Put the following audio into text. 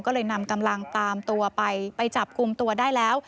ก็เลยนำกำลังตามตัวไปไปจับกลุ่มตัวได้แล้ว